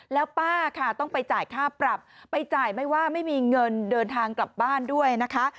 แล้วป้าค่ะต้องไปจ่ายค่าปรับไปจ่ายไม่ว่าไม่มีเงินเดินทางกลับบ้านด้วยนะคะ